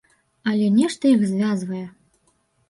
Але нешта іх звязвае.